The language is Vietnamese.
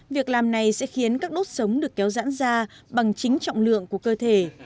việc làm này sẽ khiến các đốt sống được kéo dãn ra bằng chính trọng lượng của cơ thể